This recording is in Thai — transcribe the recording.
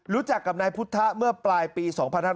รู้จักกับนายพุทธเมื่อปลายปี๒๕๕๙